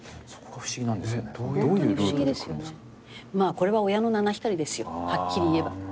これは親の七光りですよはっきり言えば。